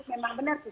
memang benar sih